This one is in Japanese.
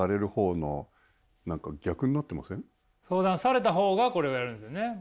相談された方がこれをやるんですよね。